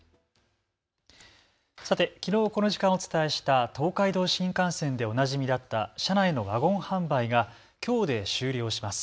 さて、きのうこの時間お伝えした東海道新幹線でおなじみだった車内のワゴン販売がきょうで終了します。